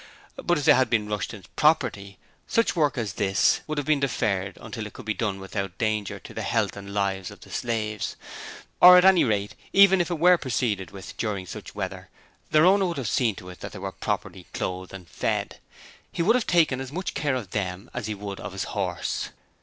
But if they had been Rushton's property, such work as this would have been deferred until it could be done without danger to the health and lives of the slaves; or at any rate, even if it were proceeded with during such weather, their owner would have seen to it that they were properly clothed and fed; he would have taken as much care of them as he would of his horse.